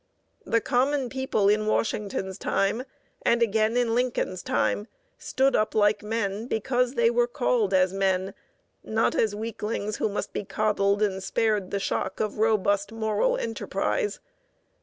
The common people in Washington's time, and again in Lincoln's time, stood up like men, because they were called as men, not as weaklings who must be coddled and spared the shock of robust moral enterprise.